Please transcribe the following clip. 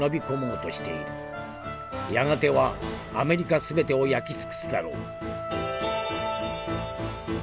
やがてはアメリカ全てを焼き尽くすだろう」。